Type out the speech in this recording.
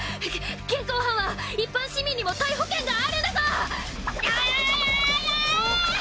げ現行犯は一般市民にも逮捕権がでやあやあやあ！